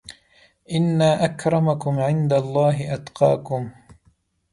ان اکرمکم عندالله اتقاکم